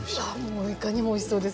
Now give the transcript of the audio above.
もういかにもおいしそうです。